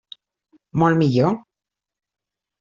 Molt millor.